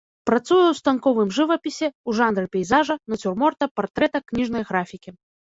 Працуе ў станковым жывапісе, у жанры пейзажа, нацюрморта, партрэта, кніжнай графікі.